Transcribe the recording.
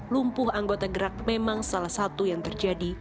lumpuh anggota gerak memang salah satu yang terjadi